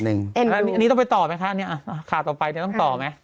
แล้วนี้ต้องไปต่อมั้ยคะขาดต่อไปที่นี่ต้องต่อไหม